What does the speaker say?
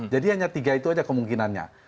jadi hanya tiga itu saja kemungkinannya